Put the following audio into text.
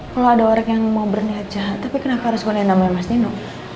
kalo ada orang yang mau berni aja tapi kenapa harus ngomongin namanya mas nino